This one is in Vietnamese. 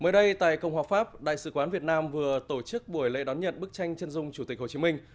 mới đây tại cộng hòa pháp đại sứ quán việt nam vừa tổ chức buổi lễ đón nhận bức tranh chân dung chủ tịch hồ chí minh